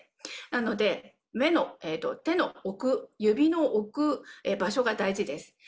なので、手の置く指の置く場所が大事です。